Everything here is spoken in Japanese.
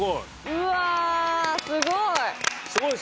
うわあすごい。